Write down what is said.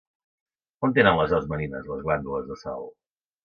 On tenen les aus marines les glàndules de sal?